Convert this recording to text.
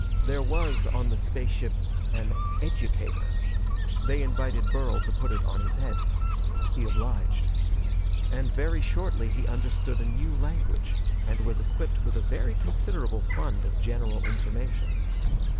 There was, on the spaceship, an "educator." They invited Burl to put it on his head. He obliged. And very shortly he understood a new language, and was equipped with a very considerable fund of general information.